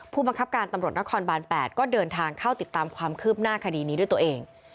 ผู้บังคับการตำรวจนครบาน๘ก็เดินทางเข้าติดตามความคืบหน้าคดีนี้ด้วยตัวเอง